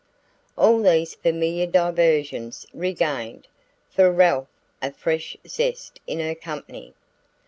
All these familiar diversions regained, for Ralph, a fresh zest in her company.